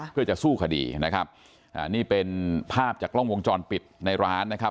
เพื่อจะสู้คดีนะครับอ่านี่เป็นภาพจากกล้องวงจรปิดในร้านนะครับ